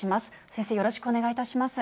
先生、よろしくお願いいたします。